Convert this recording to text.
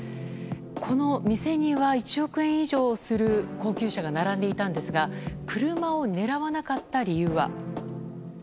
この店には１億円以上する高級車が並んでいたんですが車を狙わなかった理由は。